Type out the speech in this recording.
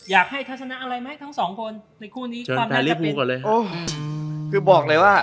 อยากให้ทัศนาอะไรไหมทั้งสองคนในคู่นี้ความนักการเป็นโอ้คือบอกเลยว่า